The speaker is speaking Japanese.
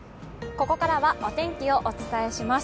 ここからはお天気をお伝えします。